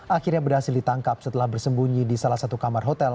akhirnya berhasil ditangkap setelah bersembunyi di salah satu kamar hotel